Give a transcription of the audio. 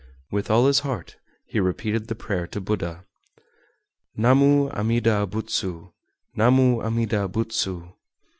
With all his heart he repeated the prayer to Buddha: "Namu Amida Butsu, Namu Amida Butsu."